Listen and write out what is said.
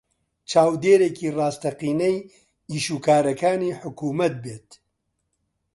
چاودێرێکی ڕاستەقینەی ئیشوکارەکانی حکوومەت بێت